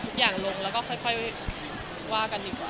ทุกอย่างลงแล้วก็ค่อยว่ากันดีกว่า